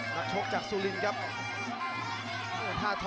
ประโยชน์ทอตอร์จานแสนชัยกับยานิลลาลีนี่ครับ